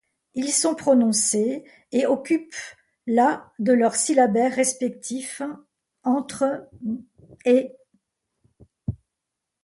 Ils sont prononcés et occupent la de leur syllabaire respectif, entre ふ et ほ.